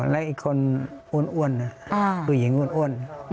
และอีกคนอ้วนผู้หญิงอ้วน